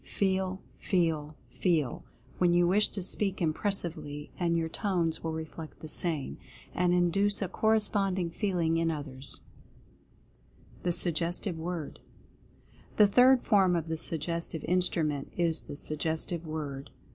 FEEL, FEEL, FEEL, when you wish to speak impressively, and your Tones will reflect the same, and induce a corresponding feeling in others. Direct Personal Influence 215 THE SUGGESTIVE WORD. The Third Form of the Suggestive Instrument is The Suggestive Word.